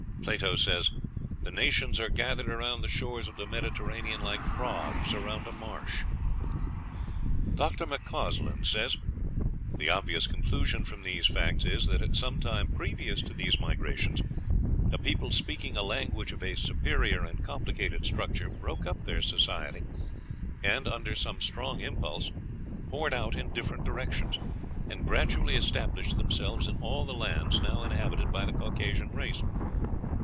Plato says, "the nations are gathered around the shores of the Mediterranean like frogs around a marsh." Dr. McCausland says: "The obvious conclusion from these facts is, that at some time previous to these migrations a people speaking a language of a superior and complicated structure broke up their society, and, under some strong impulse, poured out in different directions, and gradually established themselves in all the lands now inhabited by the Caucasian race.